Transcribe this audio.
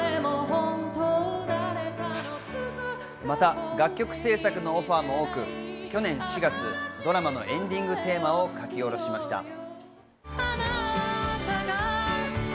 また、楽曲制作のオファーも多く、去年４月ドラマのエンディングテーマを描き下ろしました。